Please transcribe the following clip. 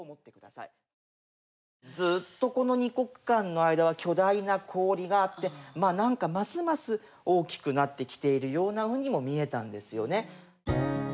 ずっとこの２国間の間は巨大な氷があって、なんかますます大きくなってきているようなふうにも見えたんですよね。